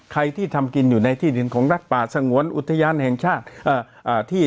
ที่ทำกินอยู่ในที่ดินของรักป่าสงวนอุทยานแห่งชาติ